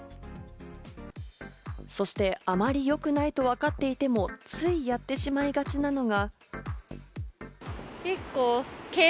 そしてあまり良くないと分かっていても、ついやってしまいがちなのが。